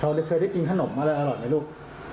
เคยได้กินขนมอะไรอร่อยไหมลูก